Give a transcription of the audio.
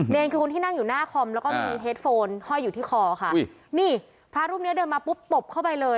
คือคนที่นั่งอยู่หน้าคอมแล้วก็มีเฮดโฟนห้อยอยู่ที่คอค่ะอุ้ยนี่พระรูปเนี้ยเดินมาปุ๊บตบเข้าไปเลย